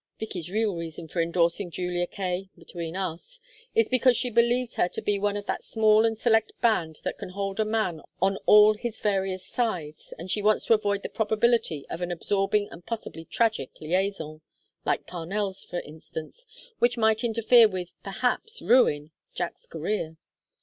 Vicky's real reason for indorsing Julia Kaye between us is because she believes her to be one of that small and select band that can hold a man on all his various sides, and she wants to avoid the probability of an absorbing and possibly tragic liaison like Parnell's, for instance which might interfere with, perhaps ruin, Jack's career.